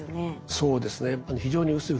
そうですね。